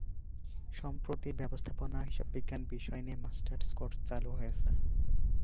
সম্প্রতি ব্যবস্থাপনা, হিসাববিজ্ঞান বিষয় নিয়ে মাস্টার্স কোর্স চালু হয়েছে।